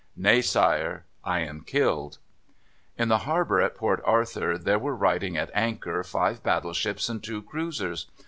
"Nay, sire; I am killed." In the harbour at Port Arthur there were riding at anchor five battleships and two cruisers.